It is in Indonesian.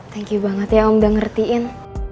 thank you banget ya om udah ngertiin